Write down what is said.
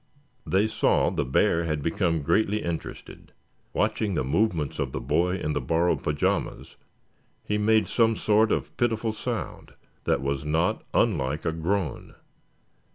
They saw the bear had become greatly interested. Watching the movements of the boy in the borrowed pajamas he made some sort of pitiful sound that was not unlike a groan.